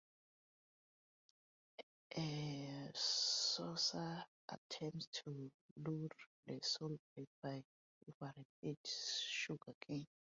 A sorcer attempts to lure the soul back by offering it sugarcane.